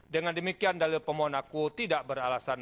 dengan demikian dalil pemohon aku tidak beralasan